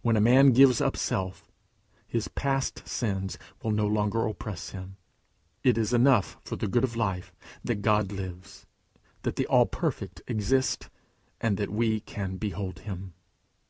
When a man gives up self, his past sins will no longer oppress him. It is enough for the good of life that God lives, that the All perfect exists, and that we can behold him.